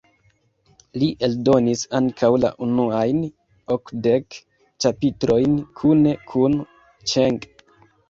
Li eldonis ankaŭ la unuajn okdek ĉapitrojn kune kun Ĉeng.